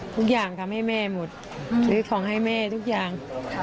ทุกอย่างทำให้แม่หมดซื้อของให้แม่ทุกอย่าง